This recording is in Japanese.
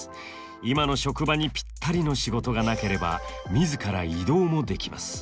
今の職場にぴったりの仕事がなければ自ら異動もできます。